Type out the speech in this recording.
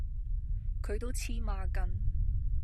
佢都黐孖根